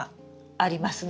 ありますね。